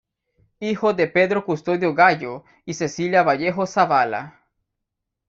Hijo de Pedro Custodio Gallo y Cecilia Vallejo Zavala.